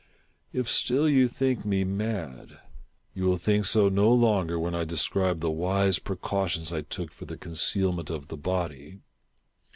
If still you think me mad, you will think so no longer when I describe the wise precautions I took for the con cealment of the body.